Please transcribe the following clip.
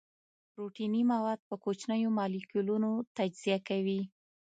پروتیني مواد په کوچنیو مالیکولونو تجزیه کوي.